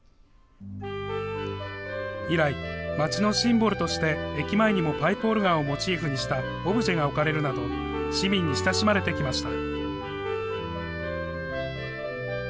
以来、街のシンボルとして、駅前にもパイプオルガンをモチーフにしたオブジェが置かれるなど、市民に親しまれてきました。